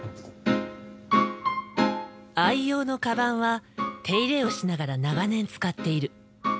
愛用のカバンは手入れをしながら長年使っている。